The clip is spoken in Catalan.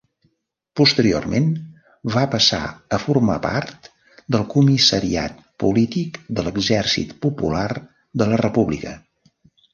Posteriorment va passar a formar part del comissariat polític de l'Exèrcit Popular de la República.